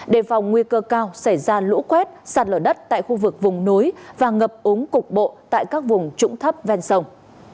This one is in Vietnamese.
đề phòng nguy cơ cao xảy ra lũ quét sạt lở đất tại khu vực vùng núi và ngập úng cục bộ tại các vùng trũng thấp ven sông